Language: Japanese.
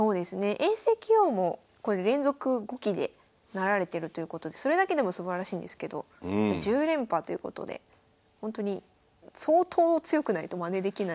永世棋王も連続５期でなられてるということでそれだけでもすばらしいんですけど１０連覇ということでほんとに相当強くないとまねできない。